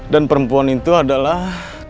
dan perempuan itu adalah